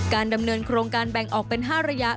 ดำเนินโครงการแบ่งออกเป็น๕ระยะ